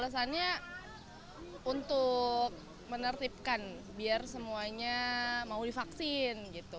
setuju sih alasannya untuk menertibkan biar semuanya mau divaksin